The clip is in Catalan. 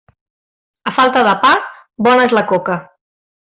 A falta de pa, bona és la coca.